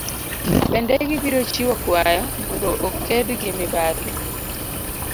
Bende gibiro chiwo kwayo mondo oked gi mibadhi.